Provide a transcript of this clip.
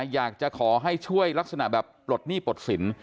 อยากจะขอให้ช่วยลักษณะแบบปลดหนี้ปลดสิน